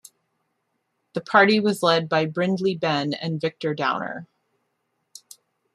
The party was led by Brindley Benn and Victor Downer.